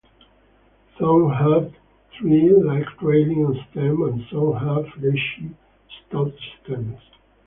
Some have threadlike, trailing stems and some have fleshy, stout stems.